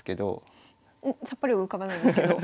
さっぱり浮かばないんですけど先生